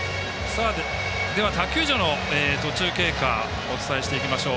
他球場の途中経過お伝えしていきましょう。